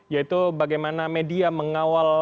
yaitu bagaimana media mengawal